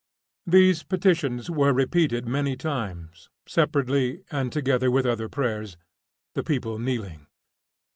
These petitions were repeated many times, separately and together with other prayers, the people kneeling.